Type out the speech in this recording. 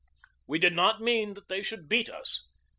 We did not mean that they should beat us.